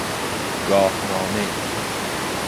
گاهنامه